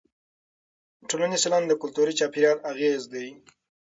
ټولنیز چلند د کلتوري چاپېریال اغېز دی.